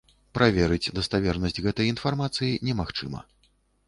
Праверыць даставернасць гэтай інфармацыі немагчыма.